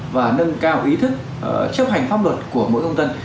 và nâng cao ý thức chấp hành pháp luật của mỗi công dân